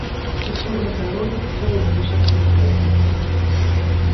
Усё гэта робіцца ў межах закону.